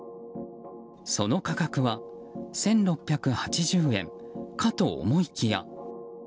その価格は１６８０円かと思いきや。